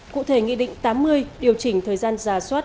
cụ thể nghị định tám mươi điều chỉnh thời gian giả soát